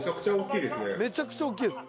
「めちゃくちゃ大きいです」